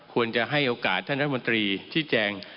ควรจะให้โอกาสท่านรัฐมนตรีชี้แจง